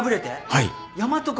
はい。